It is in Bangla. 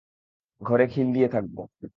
ঘরে খিল দিয়ে থাকব।